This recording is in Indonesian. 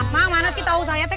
mau mana sih tahu saya teh